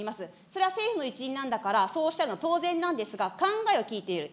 それは政府の一員なんだからそうおっしゃるのは当然なんですが、考えを聞いている。